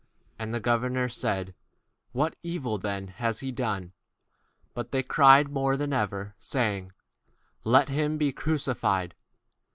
And the governor said, Why, what evil hath he done? But they cried out the more, saying, Let him be crucified.